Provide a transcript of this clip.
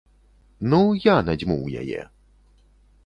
Ну, я надзьмуў яе.